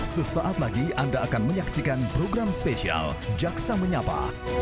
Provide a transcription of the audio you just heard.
sesaat lagi anda akan menyaksikan program spesial jaksa menyapa